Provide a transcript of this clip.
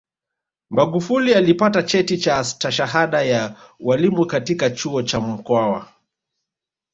magufuli alipata cheti cha stashahada ya ualimu katika chuo cha mkwawa